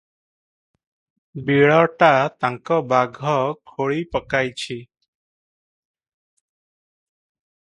ବିଳଟା ତାଙ୍କ ବାଘ ଖୋଳିପକାଇଛି ।